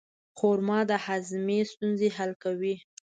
خرما د هاضمې ستونزې حل کوي.